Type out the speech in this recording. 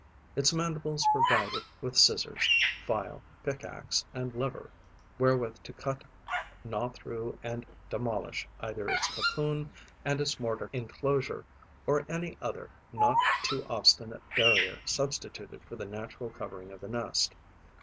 Its mandibles provide it with scissors, file, pick axe and lever wherewith to cut, gnaw through and demolish either its cocoon and its mortar enclosure or any other not too obstinate barrier substituted for the natural covering of the nest.